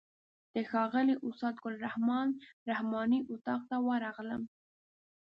د ښاغلي استاد ګل رحمن رحماني اتاق ته ورغلم.